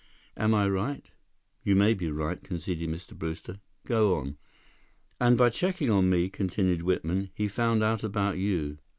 Am I right?" "You may be right," conceded Mr. Brewster. "Go on." "And by checking on me," continued Whitman, "he found out about you.